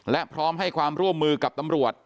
และพร้อมให้ความร่วมมือกับตำรวจ